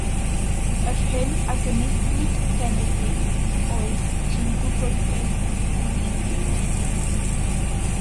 Yr hyn a gynigiwyd gennyn ni oedd “Ti'n gwybod beth dw i'n ei olygu”.